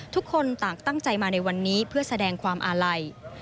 ทุกคนต่างตั้งใจมาในวันนี้เพื่อแสดงความอาลัย